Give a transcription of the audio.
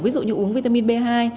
ví dụ như uống vitamin b hai